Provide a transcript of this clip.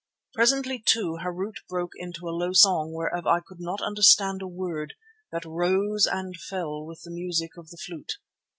Presently too Harût broke into a low song whereof I could not understand a word, that rose and fell with the music of the flute.